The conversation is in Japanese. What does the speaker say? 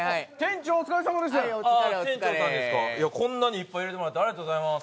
こんなに入れてもらってありがとうございます。